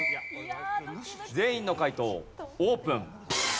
全員の解答オープン。